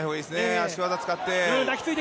足技使って。